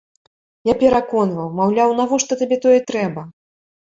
Я пераконваць, маўляў, навошта табе тое трэба?